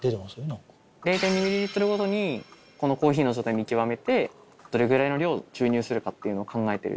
０．２ｍごとにこのコーヒーの状態見極めてどれぐらいの量注入するかっていうの考えてる。